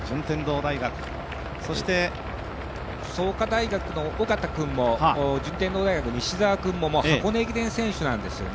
そして創価大学の緒方君も順天堂大学、西澤君も箱根駅伝選手なんですよね。